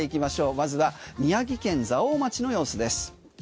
まずは宮城県蔵王町の様子です。